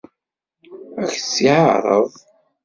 Ad k-tt-yeɛṛeḍ?